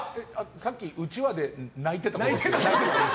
さっきうちわで泣いていた子？